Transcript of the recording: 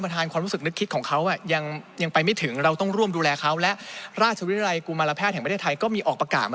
แต่ก่อนหน้านั้นกัญชาอยู่ทั้งเบอร์๑กับ๑๔